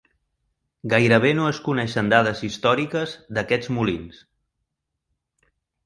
Gairebé no es coneixen dades històriques d'aquests molins.